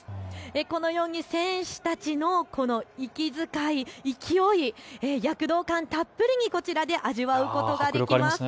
このように選手たちの息遣い、勢い、躍動感、たっぷりにこちらで味わうことができます。